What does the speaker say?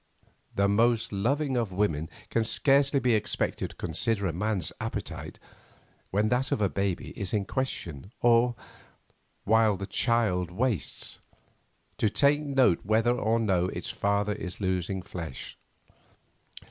The most loving of women can scarcely be expected to consider a man's appetite when that of a baby is in question, or, while the child wastes, to take note whether or no its father is losing flesh.